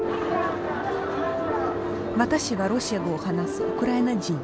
私はロシア語を話すウクライナ人。